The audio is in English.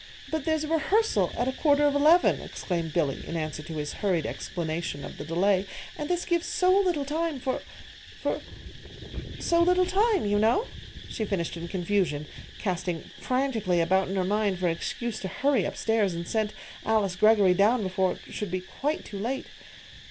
"But there's a rehearsal at quarter of eleven," exclaimed Billy, in answer to his hurried explanation of the delay; "and this gives so little time for for so little time, you know," she finished in confusion, casting frantically about in her mind for an excuse to hurry up stairs and send Alice Greggory down before it should be quite too late.